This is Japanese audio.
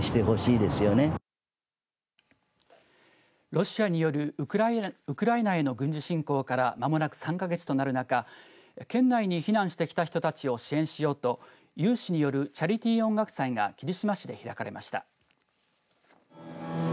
ロシアによるウクライナへの軍事侵攻からまもなく３か月となる中、県内に避難してきた人たちを支援しようと有志によるチャリティー音楽祭が霧島市で開かれました。